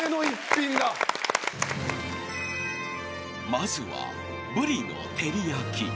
［まずはブリの照り焼き］